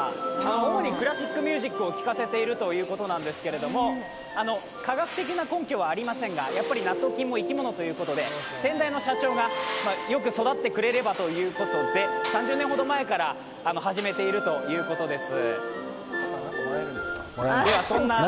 主にクラシックミュージックを聴かせているということなんですが科学的な根拠はありませんがやっぱり納豆菌も生き物ということで、先代の社長がよく育ってくれればということで、３０年ほど前から始めているということです。